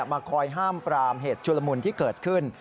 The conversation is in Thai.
มาคอยห้ามปรามเหตุชุลมุนที่เกิดขึ้น